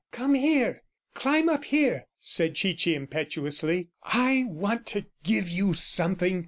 "Come here; climb up here!" said Chichi impetuously. "I want to give you something!"